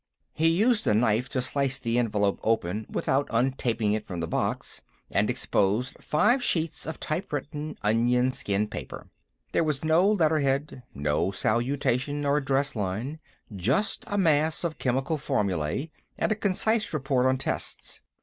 He used a knife to slice the envelope open without untaping it from the box, and exposed five sheets of typewritten onion skin paper. There was no letterhead, no salutation or address line. Just a mass of chemical formulae, and a concise report on tests.